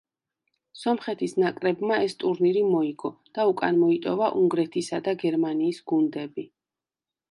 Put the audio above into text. სომხეთის ნაკრებმა ეს ტურნირი მოიგო და უკან მოიტოვა უნგრეთისა და გერმანიის გუნდები.